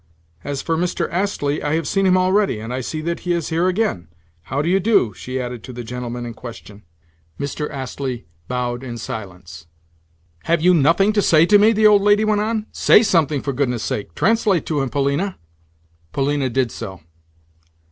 As for Mr. Astley, I have seen him already, and I see that he is here again. How do you do?" she added to the gentleman in question. Mr. Astley bowed in silence. "Have you nothing to say to me?" the old lady went on. "Say something, for goodness' sake! Translate to him, Polina." Polina did so.